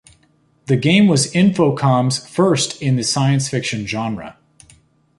The game was Infocom's first in the science fiction genre.